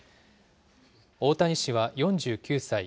大谷氏は４９歳。